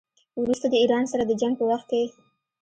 وروسته د ایران سره د جنګ په وخت کې.